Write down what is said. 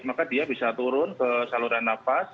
maka dia bisa turun ke saluran nafas